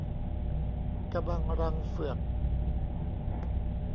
กะบังรังเฝือก